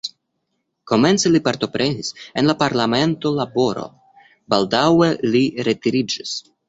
Komence li partoprenis en la parlamenta laboro, baldaŭe li retiriĝis.